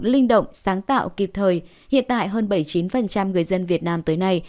linh động sáng tạo kịp thời hiện tại hơn bảy mươi chín người dân việt nam tới nay